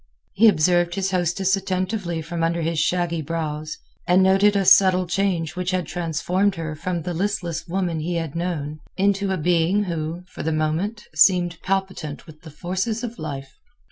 He observed his hostess attentively from under his shaggy brows, and noted a subtle change which had transformed her from the listless woman he had known into a being who, for the moment, seemed palpitant with the forces of life.